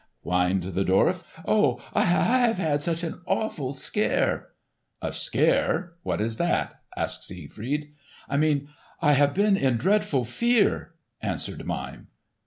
whined the dwarf. "Oh, I have had such an awful scare!" "A scare? What is that?" asked Siegfried. "I mean, I have been in dreadful fear," answered Mime.